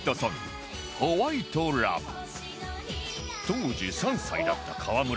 当時３歳だった河邑